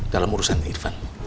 dalam urusan irfan